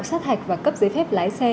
xác hạch và cấp giấy phép lái xe